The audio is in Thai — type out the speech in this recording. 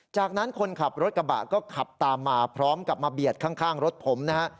จากนั้นคนขับรถกระบะก็ขับตามมาพร้อมกับมาเบียดข้างรถผมนะฮะ